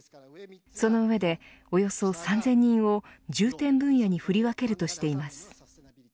その上でおよそ３０００人を重点分野に振り分けるとしています。